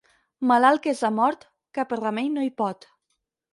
Malalt que és de mort, cap remei no hi pot.